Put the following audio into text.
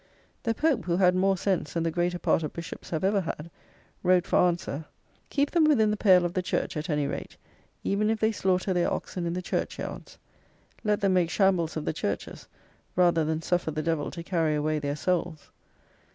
The Pope, who had more sense than the greater part of bishops have ever had, wrote for answer: "Keep them within the pale of the church, at any rate, even if they slaughter their oxen in the churchyards: let them make shambles of the churches, rather than suffer the devil to carry away their souls."